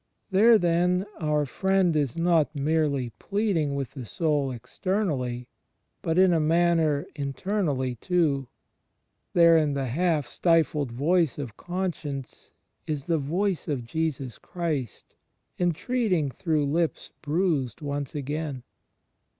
There, then, our Friend is not merely plead ing with the soul externally, but, in a manner, internally too: there in the half stifled voice of conscience is the Voice of Jesus Christ entreating through lips bruised once again.